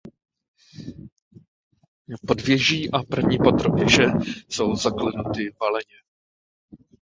Podvěží a první patro věže jsou zaklenuty valeně.